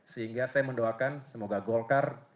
sehingga saya mendoakan semoga golkar